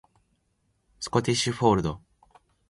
スコティッシュフォールド